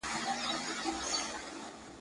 څه شی د هغې نقش تائیدوي؟